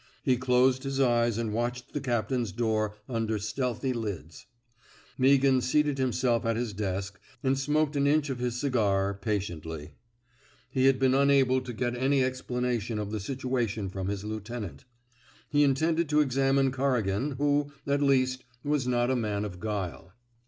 He closed his eyes and watched the captain's door under stealthy lids. Meaghan seated himself at his desk and smoked an inch of his cigar, patiently. He had been unable to get any explanation of the situation from his lieutenant. He intended to examine Corrigan, who, at least, was not a man of guile.